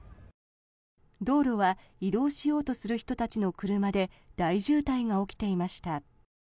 道路は移動しようとする人たちの車で大渋滞が起きていました。